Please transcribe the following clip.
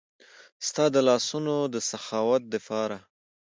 ستا د لاسونو د سخاوت د پاره